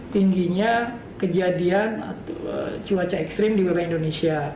tingginya kejadian cuaca ekstrim di wilayah indonesia